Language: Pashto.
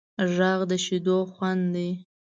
غږ د شیدو خوند دی